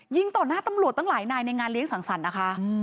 ต่อหน้าตำรวจตั้งหลายนายในงานเลี้ยสังสรรค์นะคะ